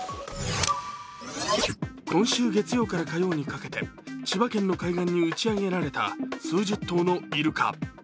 今週月曜から火曜にかけて千葉県の海岸に打ち上げられた数十頭のイルカ。